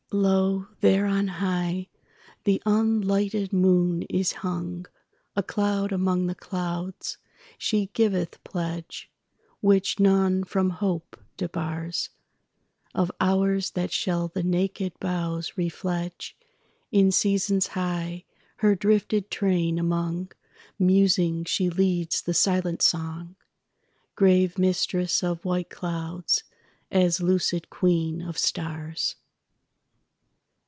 Lo, there on high the unlighted moon is hung,A cloud among the clouds: she giveth pledge, Which none from hope debars, Of hours that shall the naked boughs re fledgeIn seasons high: her drifted train amongMusing she leads the silent song, Grave mistress of white clouds, as lucid queen of stars.